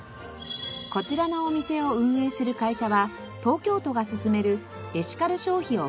こちらのお店を運営する会社は東京都が進めるエシカル消費を普及させる取り組み